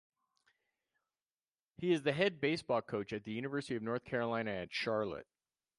He is the head baseball coach at the University of North Carolina at Charlotte.